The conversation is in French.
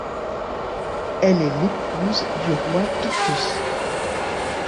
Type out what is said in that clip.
Elle est l'épouse du roi Picus.